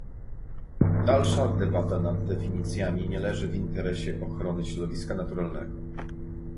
Dalsza debata nad definicjami nie leży w interesie ochrony środowiska naturalnego